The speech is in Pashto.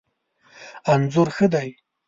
انځور ښه دی